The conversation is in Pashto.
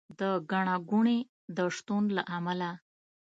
د ګڼه ګوڼې د شتون له امله